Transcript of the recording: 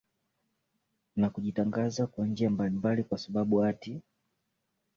na kujitangaza kwa njia mbalimbali kwa sababu ati